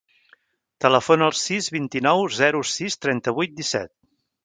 Telefona al sis, vint-i-nou, zero, sis, trenta-vuit, disset.